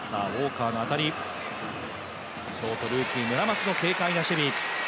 ショート・ルーキー村松の軽快な守備。